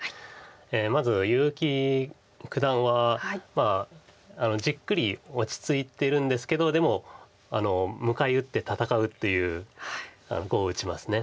まず結城九段はじっくり落ち着いてるんですけどでも迎え撃って戦うという碁を打ちます。